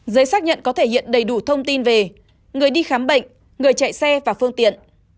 giấy xác nhận có thể hiện đầy đủ thông tin về người đi khám bệnh người chạy xe và phương tiện